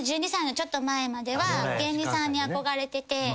１２歳のちょっと前までは芸人さんに憧れてて。